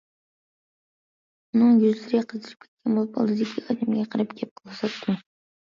ئۇنىڭ يۈزلىرى قىزىرىپ كەتكەن بولۇپ ئالدىدىكى ئادەمگە قاراپ گەپ قىلىۋاتاتتى.